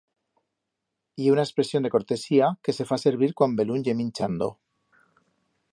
Ye una expresión de cortesía que se fa servir cuan belún ye minchando.